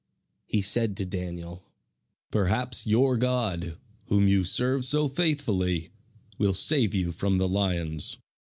He said to Daniel: "Perhaps your God, whom you serve so faithfully, will save you from the lions."